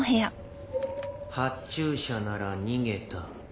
発注者なら逃げた。